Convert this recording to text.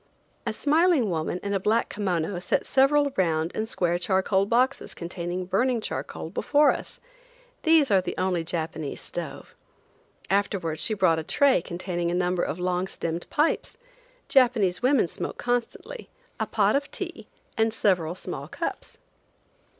A smiling woman in a black kimono set several round and square charcoal boxes containing burning charcoal before us. These are the only Japanese stove. Afterwards she brought a tray containing a number of long stemmed pipes–Japanese women smoke constantly–a pot of tea and several small cups.